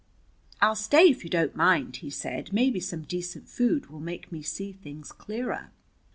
"I'll stay, if you don't mind," he said. "Maybe some decent food will make me see things clearer."